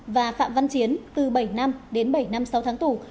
và phạm văn chiến từ bảy năm đến bảy năm sáu tháng tù